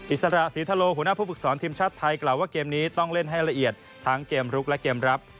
อิสระศรีทะโลหัวหน้าผู้ฝึกสอนทีมชาติไทยกล่าวว่าเกมนี้ต้องเล่นให้ละเอียดทั้งเกมลุกและเกมรับ